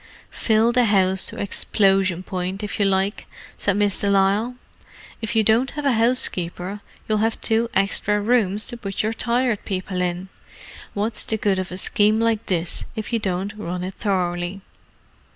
"Fill the house to explosion point, if you like," said Miss de Lisle. "If you don't have a housekeeper you'll have two extra rooms to put your Tired People in. What's the good of a scheme like this if you don't run it thoroughly?"